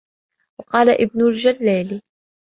وَقَالَ ابْنُ الْجَلَّالِ